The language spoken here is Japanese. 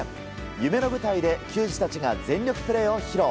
夢の舞台で球児たちが全力プレーを披露。